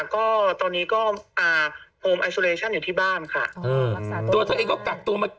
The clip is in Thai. ก็ตอนนี้ก็อ่าโฮมไอซูเลชั่นอยู่ที่บ้านค่ะตัวเธอเองก็กักตัวมา